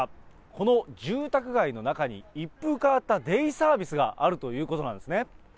この住宅街の中に、一風変わったデイサービスがあるということなんですね。